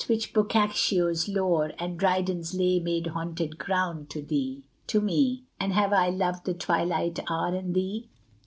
which Boccaccio's lore And Dryden's lay made haunted ground to me, How have I loved the twilight hour and thee!